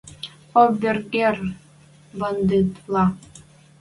Обер-герр бандитвлӓ!»